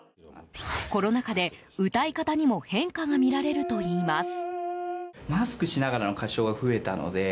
コロナ禍で歌い方にも変化が見られるといいます。